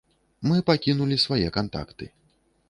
Мы пакінулі свае кантакты.